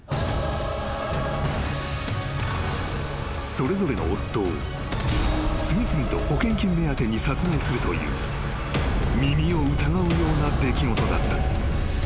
［それぞれの夫を次々と保険金目当てに殺害するという耳を疑うような出来事だった］